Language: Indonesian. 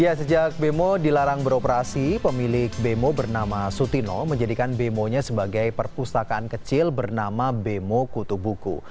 ya sejak bemo dilarang beroperasi pemilik bemo bernama sutino menjadikan bemonya sebagai perpustakaan kecil bernama bemo kutubuku